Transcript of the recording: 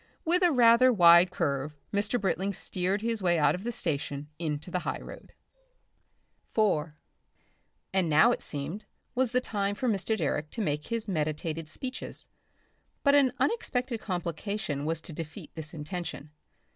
With a rather wide curve Mr. Britling steered his way out of the station into the highroad. Section 4 And now it seemed was the time for Mr. Direck to make his meditated speeches. But an unexpected complication was to defeat this intention.